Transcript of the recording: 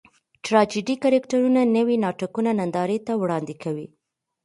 ټراجېډي کرکټرونه نوي ناټکونه نندارې ته وړاندې کوي.